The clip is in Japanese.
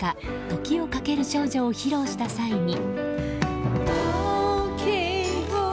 「時をかける少女」を披露した際に。